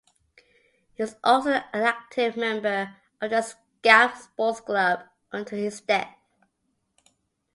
He was also an active member of the Scout Sports Club until his death.